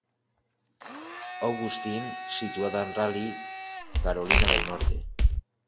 Augustine, situada en Raleigh, Carolina del Norte.